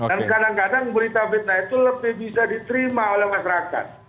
dan kadang kadang berita fitnah itu lebih bisa diterima oleh masyarakat